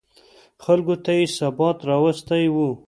خلکو ته یې ثبات راوستی و.